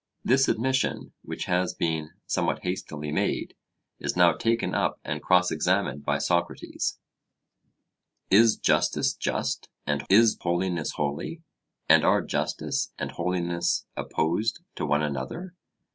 This admission, which has been somewhat hastily made, is now taken up and cross examined by Socrates: 'Is justice just, and is holiness holy? And are justice and holiness opposed to one another?'